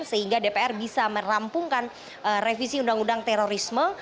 sehingga dpr bisa merampungkan revisi undang undang terorisme